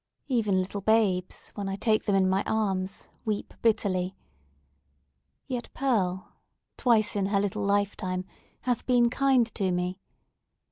Even little babes, when I take them in my arms, weep bitterly. Yet Pearl, twice in her little lifetime, hath been kind to me!